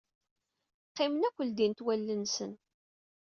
Qqimen akken ldint wallen-nsen.